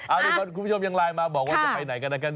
อาทิตย์มันคุณผู้ชมยังไลน์มาบอกว่าจะไปไหนกันนะคะ